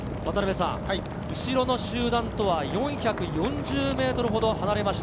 今、後ろの集団とは４４０ｍほど離れました。